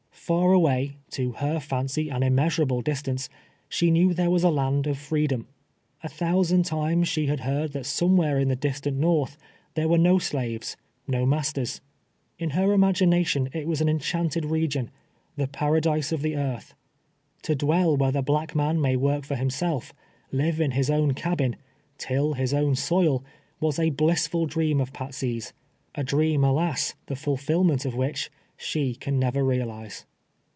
Far away, to her fancy an immeasurable distance, she knew there was a land of freedom. A thousand times she had heard that somewhere in the distant Xortli there were no slaves — no masters. In her imagination it was an enchanted region, the Paradise of the earth. To dwell •where the black man may work for himself — live in his own ca])in — till his own soil, was a blissful dream of Patsey's — a dream, alas ! the fulfillment of which she can never realize.